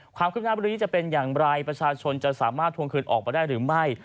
ความคืบหน้าวันนี้จะเป็นอย่างไรประชาชนจะสามารถทวงคืนออกมาได้หรือไม่